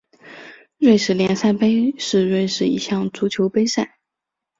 瑞士联赛杯是瑞士一项足球杯赛。